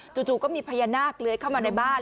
จู่ก็มีพญานาคเลื้อยเข้ามาในบ้าน